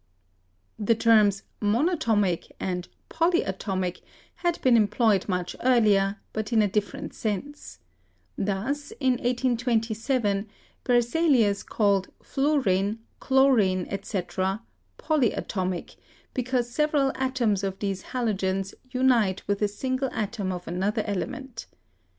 The terms "monatomic" and "polyatomic" had been em ployed much earlier, but in a different sense. Thus, in 1827, Berzelius called fluorine, chlorine, etc., "polyatomic," because several atoms of these halogens unite with a sin gle atom of another element.